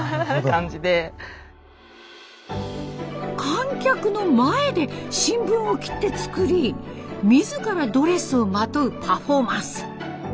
観客の前で新聞を切って作り自らドレスをまとうパフォーマンス。